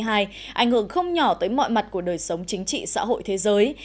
ảnh hưởng không nhỏ tới mọi mặt của đời sống chính trị xã hội thế giới